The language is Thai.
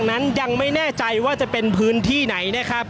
ก็น่าจะมีการเปิดทางให้รถพยาบาลเคลื่อนต่อไปนะครับ